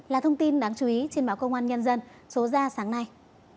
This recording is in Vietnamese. là thông tin đáng chú ý trên báo công an nhân dân số ra sáng nay